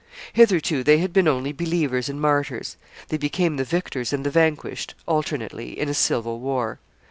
Hitherto they had been only believers and martyrs; they became the victors and the vanquished, alternately, in a civil war.